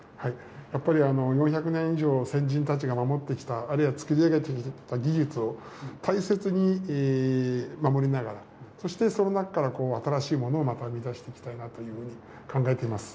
やっぱり４００年以上先人たちが守ってきた、あるいは作り上げてきた技術を大切に守りながら、そして、その中から新しいものをまた生み出していきたいなというふうに思います。